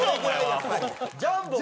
ジャンボも。